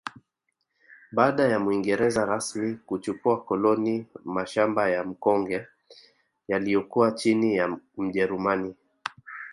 Baada ya Muingereza rasmi kuchukua koloni mashamba ya Mkonge yaliyokuwa chini ya mjerumani